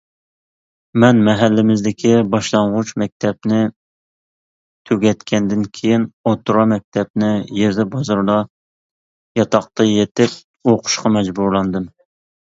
مەن مەھەللىمىزدىكى باشلانغۇچ مەكتەپنى تۈگەتكەندىن كېيىن ئوتتۇرا مەكتەپنى يېزا بازىرىدا ياتاقتا يېتىپ ئوقۇشقا مەجبۇرلاندىم.